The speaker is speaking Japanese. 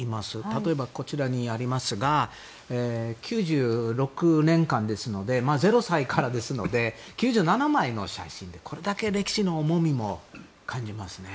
例えば、こちらにありますが９６年間ですので０歳からですので９７枚の写真でこれだけ歴史の重みも感じますね。